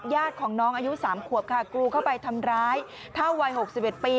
ญาติของน้องอายุ๓ขวบค่ะกรูเข้าไปทำร้ายเท่าวัย๖๑ปี